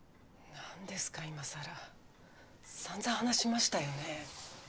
何ですかいまさらさんざん話しましたよね